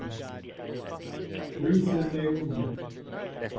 RUTH AND NAOMI.